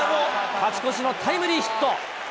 勝ち越しのタイムリーヒット。